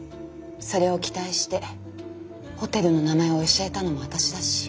それを期待してホテルの名前を教えたのも私だし。